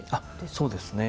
そうですね。